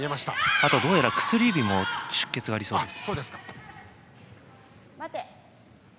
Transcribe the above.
あと、どうやら薬指にも出血がありそうです。